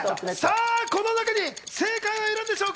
この中に正解はいるんでしょうか？